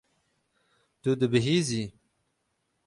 Tu dibihîzî.